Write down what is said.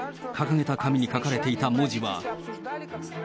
掲げた紙に書かれていた文字は。